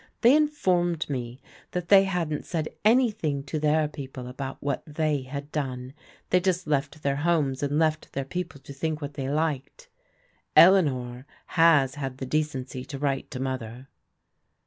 They in formed me that they hadn't said anything to their people about what they had done. They just left their homes and left their people to think what they liked. Eleanor has had the decency to write to Mother."